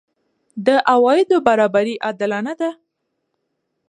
د عوایدو برابري عادلانه ده؟